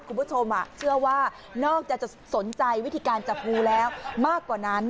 คุณผู้ชมเชื่อว่านอกจากจะสนใจวิธีการจับงูแล้วมากกว่านั้น